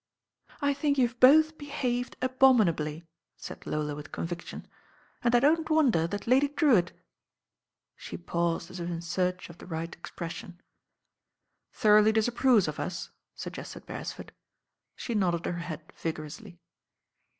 "I think youVe both behaved abominably," said Lola with conviction, "and I don't wonder that Lady Drewitt " She paused as if in search of the right expression. "Thoroughly disapproves of us," suggested Beresford. She nodded her head vigorously.